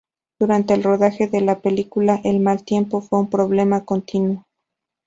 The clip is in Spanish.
Durante el rodaje de la película, el mal tiempo fue un problema continuo.